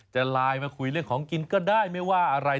จะไลน์มาคุยเรื่องของกินก็ได้ไม่ว่าอะไร